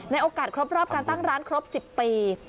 โอกาสครบรอบการตั้งร้านครบ๑๐ปี